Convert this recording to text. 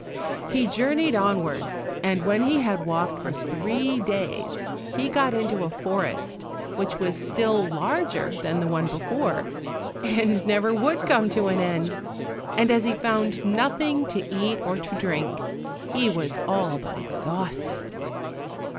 He journeyed onwards, and when he had walked for three days, he got into a forest which was still larger than the one before, and never would come to an end, and as he found nothing to eat or to drink, he was all but exhausted.